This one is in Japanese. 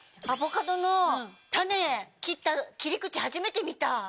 アボカドの種切った切り口初めて見た。